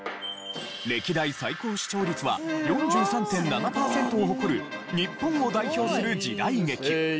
歴代最高視聴率は４３．７パーセントを誇る日本を代表する時代劇。